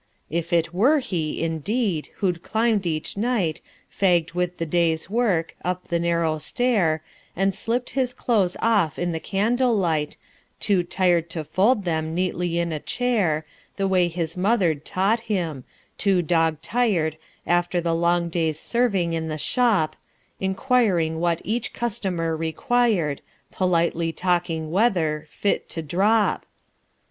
If it were he, indeed, who'd climbed each night, Fagged with the day's work, up the narrow stair, And slipt his clothes off in the candle light, Too tired to fold them neatly in a chair The way his mother'd taught him too dog tired After the long day's serving in the shop, Inquiring what each customer required, Politely talking weather, fit to drop....